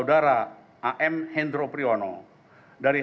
dihukum oleh tni dan tni b